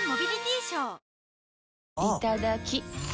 いただきっ！